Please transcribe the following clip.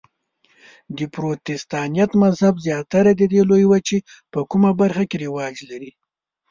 د پروتستانت مذهب زیاتره د دې لویې وچې په کومه برخه کې رواج لري؟